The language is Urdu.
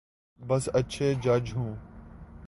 بس اچھے جج ہوں۔